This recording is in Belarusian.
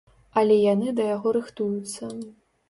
Але яны да яго рыхтуюцца.